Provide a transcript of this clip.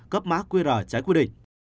cấp mã qr trái quy định